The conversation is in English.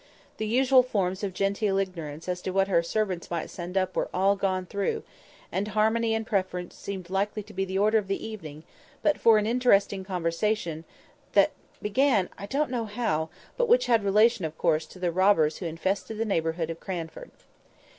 The usual forms of genteel ignorance as to what her servants might send up were all gone through; and harmony and Preference seemed likely to be the order of the evening, but for an interesting conversation that began I don't know how, but which had relation, of course, to the robbers who infested the neighbourhood of Cranford.